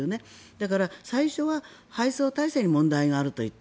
だから、最初は配送体制に問題があると言った。